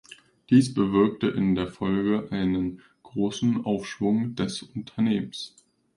Dies bewirkte in der Folge einen großen Aufschwung des Unternehmens.